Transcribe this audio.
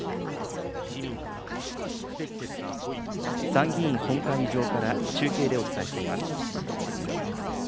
参議院本会議場から中継でお伝えしています。